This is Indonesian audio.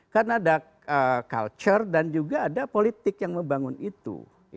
karena ada culture dan juga ada politik yang membangun itu